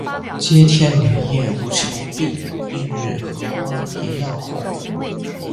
接天莲叶无穷碧，映日荷花别样红。